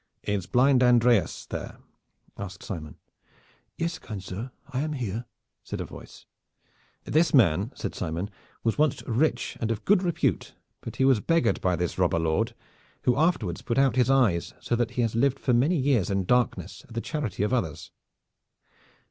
"Is blind Andreas there?" asked Simon. "Yes, kind sir, I am here," said a voice. "This man," said Simon, "was once rich and of good repute, but he was beggared by this robber lord, who afterwards put out his eyes so that he has lived for many years in darkness at the charity of others."